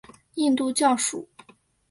印度教属。